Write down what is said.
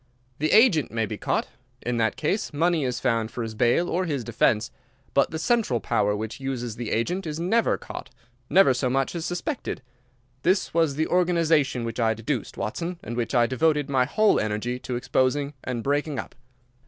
The agent may be caught. In that case money is found for his bail or his defence. But the central power which uses the agent is never caught—never so much as suspected. This was the organization which I deduced, Watson, and which I devoted my whole energy to exposing and breaking up.